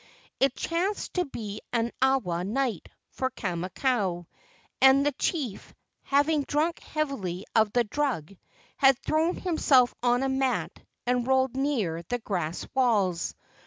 It chanced to be "Awa night" for Kamakau, and the chief, having drunk heavily of the drug, had thrown himself on a mat and rolled near the grass walls.